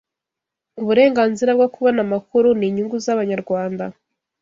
Uburenganzira bwo kubona amakuru ni inyungu z’Abanyarwanda